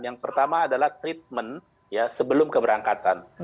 yang pertama adalah treatment sebelum keberangkatan